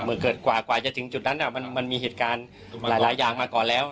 เกิดกว่าจะถึงจุดนั้นมันมีเหตุการณ์หลายอย่างมาก่อนแล้ว